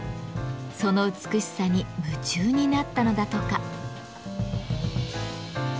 その美しさに夢中になったのだとか。